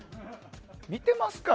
見てますか？